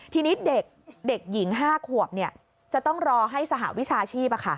ทีนี้เด็กหญิง๕ขวบจะต้องรอให้สหวิชาชีพ